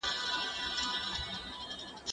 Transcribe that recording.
زه اوس کتابتون ته راځم؟